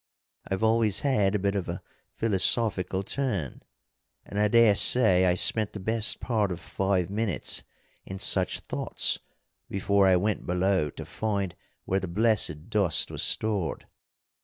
"I've always had a bit of a philosophical turn, and I dare say I spent the best part of five minutes in such thoughts before I went below to find where the blessed dust was stored.